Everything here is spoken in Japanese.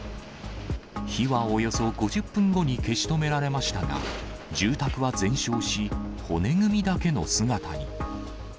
火はおよそ５０分後に消し止められましたが、住宅は全焼し、骨組みだけの姿に。